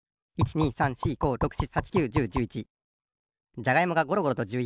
じゃがいもがゴロゴロと１１こ。